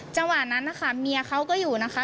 จังหวะนั้นนะคะเมียเขาก็อยู่นะคะ